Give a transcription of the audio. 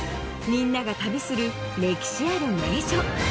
みんなが旅する歴史ある名所